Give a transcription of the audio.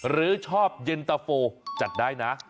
หรือชอบเย็นตะโฟจัดได้นะ